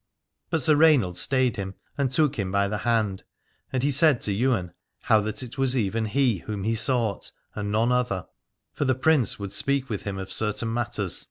But Sir Rainald stayed him and took him by the hand, and he said to Ywain how that it was even he whom he sought and none other: for the Prince would speak with him of certain matters.